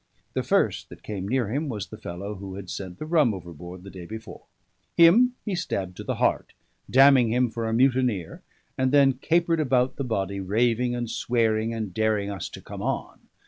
The first that came near him was the fellow who had sent the rum overboard the day before; him he stabbed to the heart, damning him for a mutineer; and then capered about the body, raving and swearing and daring us to come on.